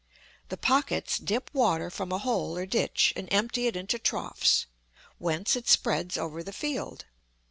The pockets dip water from a hole or ditch and empty it into troughs, whence it spreads over the field.